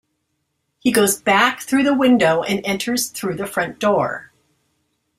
He goes back through the window and enters through the front door.